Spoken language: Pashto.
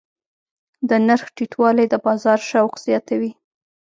د نرخ ټیټوالی د بازار شوق زیاتوي.